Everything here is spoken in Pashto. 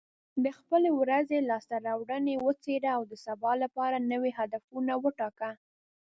د خپلې ورځې لاسته راوړنې وڅېړه، او د سبا لپاره نوي هدفونه وټاکه.